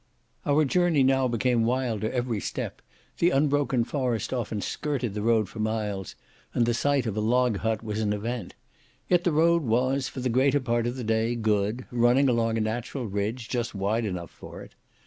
Our journey now became wilder every step, the unbroken forest often skirted the road for miles, and the sight of a log hut was an event. Yet the road was, for the greater part of the day, good, running along a natural ridge, just wide enough for it.